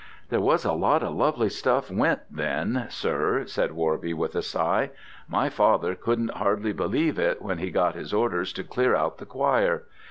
"There was a lot of lovely stuff went then, sir," said Worby, with a sigh. "My father couldn't hardly believe it when he got his orders to clear out the choir.